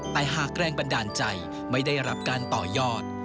แต่หากแรงบันดาลใจไม่ได้รับการต่อยอด